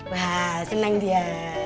wah senang dia